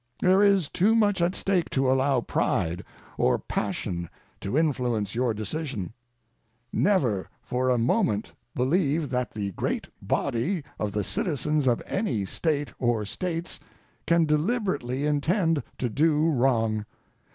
There is too much at stake to allow pride or passion to influence your decision. Never for a moment believe that the great body of the citizens of any State or States can deliberately intend to do wrong.